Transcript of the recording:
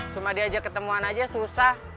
cuma diajak ketemuan aja susah